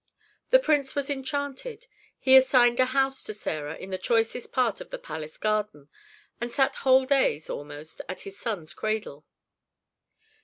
The prince was enchanted. He assigned a house to Sarah in the choicest part of the palace garden, and sat whole days, almost, at his son's cradle.